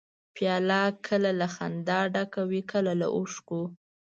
پیاله کله له خندا ډکه وي، کله له اوښکو.